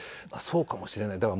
あっそうかもしれない。